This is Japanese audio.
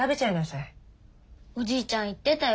おじいちゃん言ってたよ